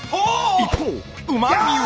一方うま味は。